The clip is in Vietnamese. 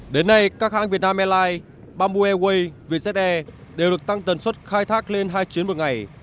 đến nay các hãng việt nam airlines bamboo airways vze đều được tăng tần suất khai thác lên hai chuyến một ngày